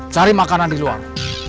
cari makanan di luar